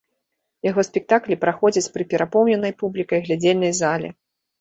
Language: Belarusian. Яго спектаклі праходзяць пры перапоўненай публікай глядзельнай зале.